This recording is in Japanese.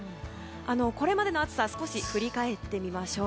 これまでの暑さ少し振り返ってみましょう。